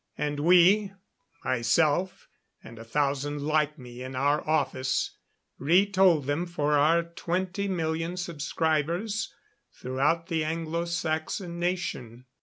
And we myself and a thousand like me in our office retold them for our twenty million subscribers throughout the Anglo Saxon Nation.